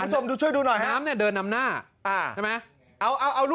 เอายาวเพลย์จากเดินลิฟส์ไว้เลย